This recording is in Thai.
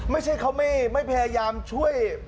ไม่ใช่เขาไม่พยายามช่วย